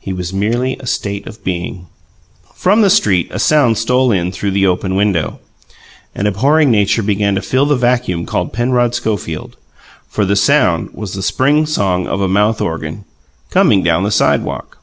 He was merely a state of being. From the street a sound stole in through the open window, and abhorring Nature began to fill the vacuum called Penrod Schofield; for the sound was the spring song of a mouth organ, coming down the sidewalk.